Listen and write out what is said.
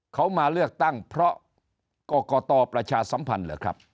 เขามาเลือกตั้งเพราะกรกตประชาสัมพันธ์เหรอครับ